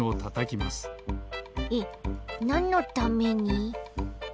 えっなんのために？